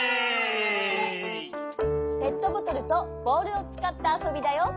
ペットボトルとボールをつかったあそびだよ。